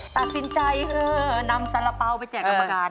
ตัดสินใจนำสาระเป๋าไปแจกกรรมการ